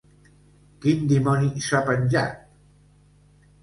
Quin dimoni s'ha penjat?